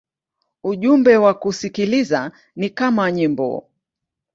Ujumbe wa kusikiliza ni kama nyimbo.